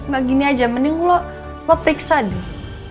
gak gini aja mending lo lo periksa deh